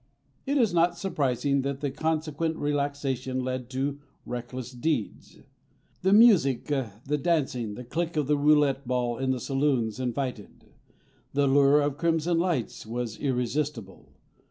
It is not surprising that the consequent relaxation led to reckless deeds. The music, the dancing, the click of the roulette ball in the saloons, invited; the lure of crimson lights was irresistible.